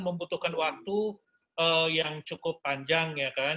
membutuhkan waktu yang cukup panjang ya kan